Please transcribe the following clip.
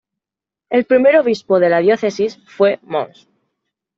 El primer obispo de la diócesis fue Mons.